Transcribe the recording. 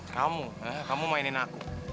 kamu kamu mainin aku